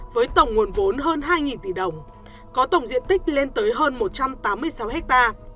với tổng nguồn vốn hơn hai tỷ đồng có tổng diện tích lên tới hơn một trăm tám mươi sáu ha